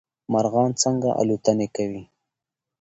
مارغان څنګه الوتنې کوی